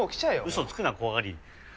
嘘つくな怖がり！